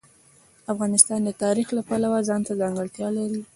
افغانستان د تاریخ د پلوه ځانته ځانګړتیا لري.